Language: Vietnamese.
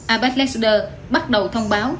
abec leader bắt đầu thông báo